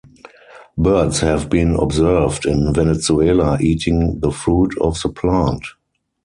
Birds have been observed in Venezuela eating the fruit of the plant.